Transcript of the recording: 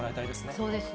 そうですね。